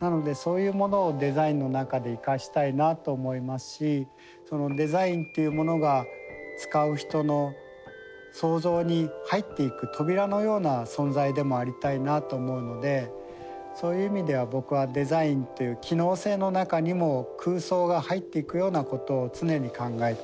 なのでそういうものをデザインの中で生かしたいなと思いますしそのデザインというものが使う人の想像に入っていく扉のような存在でもありたいなと思うのでそういう意味では僕はデザインという機能性の中にも空想が入っていくようなことを常に考えています。